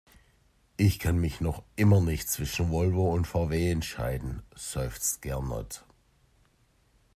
Ich kann mich noch immer nicht zwischen Volvo und VW entscheiden, seufzt Gernot.